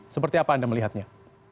seperti apa anda melihatnya